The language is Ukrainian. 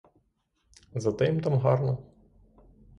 Зате їм там гарно.